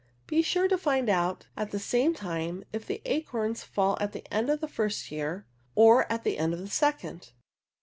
Be sure to find out at the same time if the acorns fall at the end of the first year, or at V^^ the end of the second.